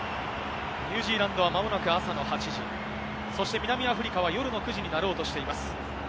ニュージーランドは、まもなく朝８時、南アフリカは夜９時になろうとしています。